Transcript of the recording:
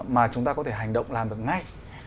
mà chúng ta có thể hành động làm được ngay